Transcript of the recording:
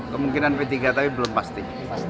kemungkinan p tiga tapi belum pasti